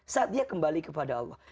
saat dia kembali kepada allah